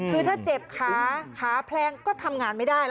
คือถ้าเจ็บขาขาแพลงก็ทำงานไม่ได้แล้ว